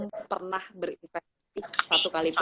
pertama yang benar benar belum pernah berinvestasi satu kali buat itu